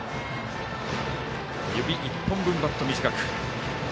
指１本分、バット短く。